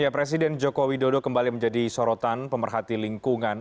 presiden jokowi dodo kembali menjadi sorotan pemerhati lingkungan